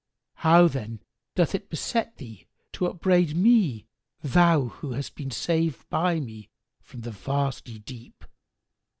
How, then, doth it beset thee to upbraid me, thou who hast been saved by me from the vasty deep?"